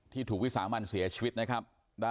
ถูกวิสามันเสียชีวิตนะครับ